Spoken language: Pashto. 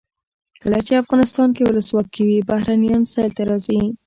کله چې افغانستان کې ولسواکي وي بهرنیان سیل ته راځي.